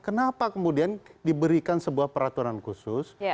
kenapa kemudian diberikan sebuah peraturan khusus